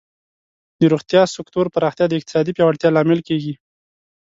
د روغتیا سکتور پراختیا د اقتصادی پیاوړتیا لامل کیږي.